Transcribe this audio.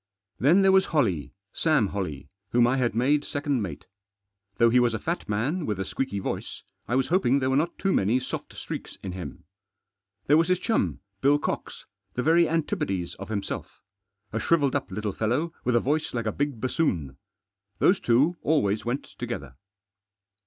Then there was Holley, Sam Holley, whom I had made second mate. Though he was a fat man, with a squeaky voice, I was hoping there were not too many soft streaks in him. There was his chum, Bill Cox, the very antipodes of himself. A shrivelled up little fellow, with a voice like a big bassoon. Those two always went together.